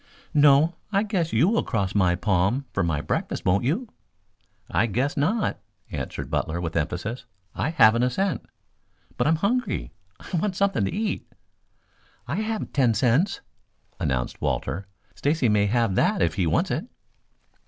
"No, I guess you will cross my palm for my breakfast, won't you?" "I guess not," answered Butler with emphasis. "I haven't a cent." "But I'm hungry. I want something to eat." "I have ten cents," announced Walter. "Stacy may have that if he wants it."